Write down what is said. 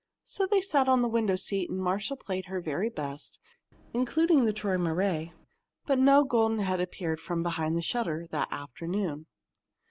So they sat on the window seat, and Marcia played her very best, including the "Träumerei," but no golden head appeared from behind the shutter that afternoon.